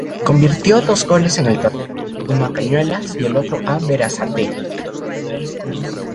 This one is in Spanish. Convirtió dos goles en el torneo, uno a Cañuelas y otro a Berazategui.